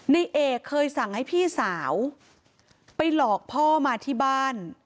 ในเอกเคยสั่งให้พี่สาวไปหลอกพ่อมาที่บ้าน